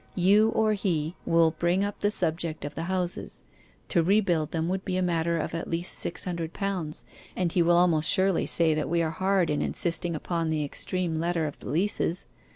You or he will bring up the subject of the houses. To rebuild them would be a matter of at least six hundred pounds, and he will almost surely say that we are hard in insisting upon the extreme letter of the leases.